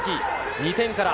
２点から。